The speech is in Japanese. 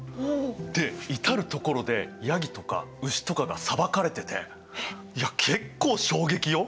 で至る所でヤギとか牛とかがさばかれてていや結構衝撃よ。